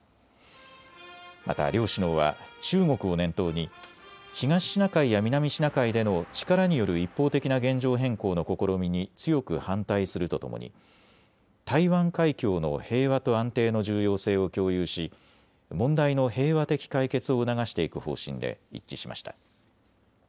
また両首脳は中国を念頭に東シナ海や南シナ海での力による一方的な現状変更の試みに強く反対するとともに台湾海峡の平和と安定の重要性を共有し問題の平和的解決を促していく方針で一致しました。